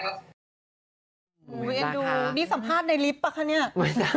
โอ้โหเอ็นดูนี่สัมภาษณ์ในลิฟต์ป่ะคะเนี่ย